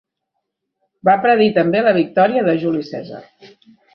Va predir també la victòria de Juli Cèsar.